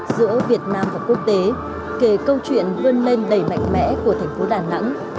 giữa việt nam và quốc tế kể câu chuyện vươn lên đầy mạnh mẽ của thành phố đà nẵng